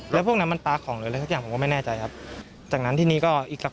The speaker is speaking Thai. แค่พวกนั้นมันมาตะโกนว่าเล่นเปล่าขนาดนั้นผมรู้แค่นี้ครับ